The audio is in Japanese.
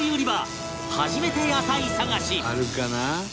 初めて野菜探し